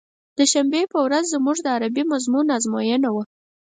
د شنبې په ورځ زموږ د عربي مضمون ازموينه وه.